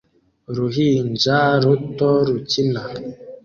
Uruhinja ruto rukina